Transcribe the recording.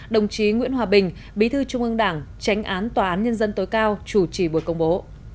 đồng chí nguyễn hòa bình bí thư trung ương đảng tránh án tòa án nhân dân tối cao chủ trì buổi công bố